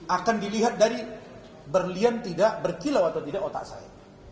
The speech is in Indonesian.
akan dilihat dari berlian tidak berkilau atau tidak otak saya